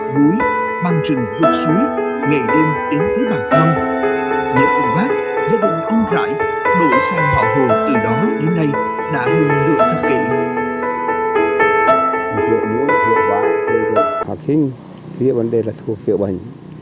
búi băng trừng vực suối ngày đêm đến với bàn thân